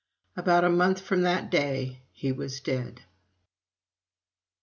About a month from that day, he was dead.